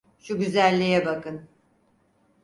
Şu güzelliğe bakın.